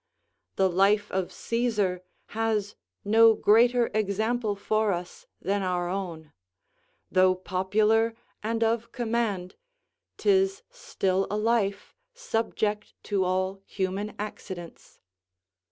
The life of Caesar has no greater example for us than our own: though popular and of command, 'tis still a life subject to all human accidents.